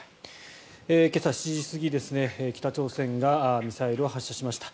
今朝７時過ぎ、北朝鮮がミサイルを発射しました。